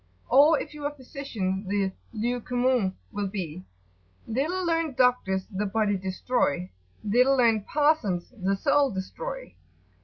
Or if you are a physician the "lieu commun" will be, "Little learn'd doctors the body destroy: Little learn'd parsons the soul destroy."